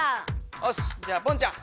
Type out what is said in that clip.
おし！じゃあポンちゃん。